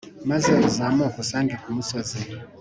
maze uzamuke unsange ku musozi.